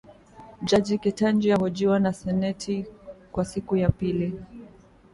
Jaji Ketanji ahojiwa na seneti kwa siku ya pili.